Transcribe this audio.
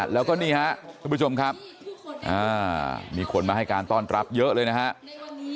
แล้วก็นี่ฮะทุกผู้ชมครับมีคนมาให้การต้อนรับเยอะเลยนะครับ